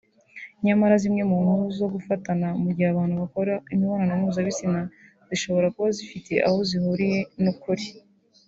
nyamara zimwe mu nkuru zo gufatana mugihe abantu bakora imibonano mpuzabitsina zishobora kuba zifite aho zihuriye n’ukuri